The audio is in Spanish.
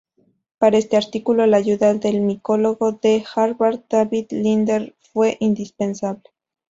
Para este artículo la ayuda del micólogo de Harvard David Linder fue indispensable.